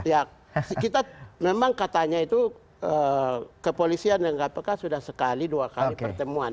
ya kita memang katanya itu kepolisian dan kpk sudah sekali dua kali pertemuan